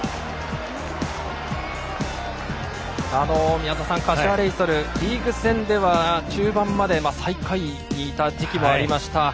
宮澤さん、柏レイソルリーグ戦では中盤まで最下位にいたこともありました。